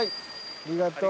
ありがとう。